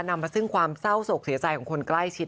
นำมาซึ่งความเศร้าโศกเสียใจของคนใกล้ชิด